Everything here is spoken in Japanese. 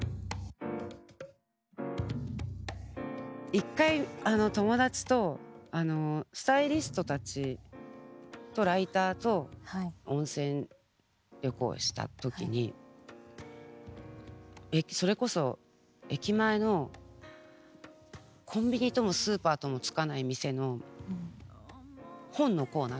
一回あの友達とスタイリストたちとライターと温泉旅行した時にそれこそ駅前のコンビニともスーパーともつかない店の本のコーナー